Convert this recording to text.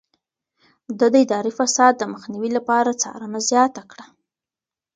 ده د اداري فساد د مخنيوي لپاره څارنه زياته کړه.